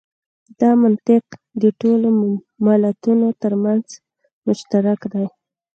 دا منطق د ټولو ملتونو تر منځ مشترک دی.